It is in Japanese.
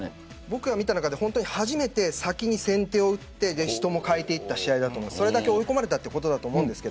僕が見た中で初めて先に先手を打って人も代えていった試合だと思うのでそれだけ追い込まれていたと思います。